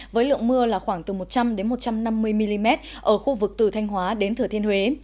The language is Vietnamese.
với lượng mưa là khoảng từ một trăm linh một trăm năm mươi mm ở khu vực từ thanh hóa đến thừa thiên huế